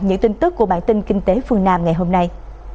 những tin tức của bản tin kinh tế phương nam ngày hôm nay